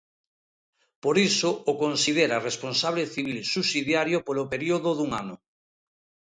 Por iso o considera responsable civil subsidiario polo período dun ano.